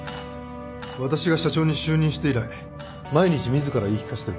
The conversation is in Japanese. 私が社長に就任して以来毎日自ら言い聞かせてる言葉です。